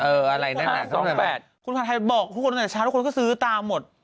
เอออะไรฮ่ะ๕๒๘คุณผู้ชมบอกนี้อีกช้าทุกคนก็ซื้อตามบอท